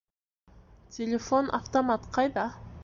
Телефон-автомат ҡайҙа?